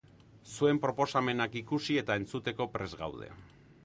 Zuen proposamenak ikusi eta entzuteko prest gaude.